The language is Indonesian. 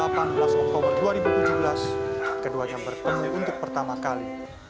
pada delapan belas oktober dua ribu tujuh belas keduanya bertemu untuk pertama kali